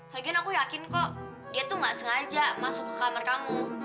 lagian aku yakin kok dia tuh gak sengaja masuk ke kamar kamu